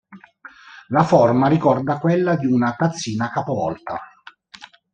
La forma ricorda quella di una tazzina capovolta.